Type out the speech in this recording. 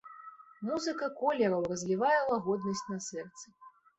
Музыка колераў разлівае лагоднасць на сэрцы.